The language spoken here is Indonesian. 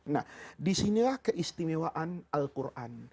nah disinilah keistimewaan al quran